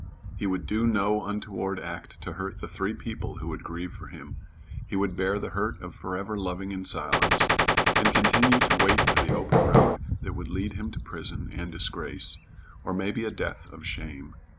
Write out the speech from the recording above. He would do no untoward act to hurt the three people who would grieve for him. He would bear the hurt of forever loving in silence, and continue to wait for the open road that would lead him to prison and disgrace, or maybe a death of shame.